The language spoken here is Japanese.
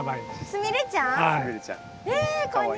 すみれちゃん？